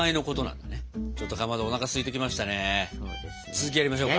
続きやりましょうか！